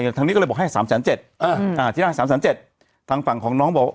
ทางนี้ก็เลยบอกให้สามแสนเจ็ดอ่าอ่าที่ได้สามแสนเจ็ดทางฝั่งของน้องบอกว่า